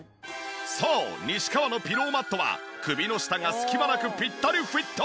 そう西川のピローマットは首の下が隙間なくピッタリフィット！